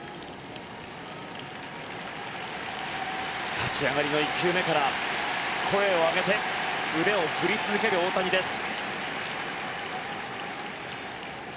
立ち上がりの１球目から声を上げて腕を振り続ける大谷です。